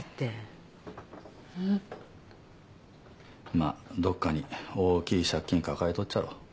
まっどっかに大きい借金抱えとっちゃろ。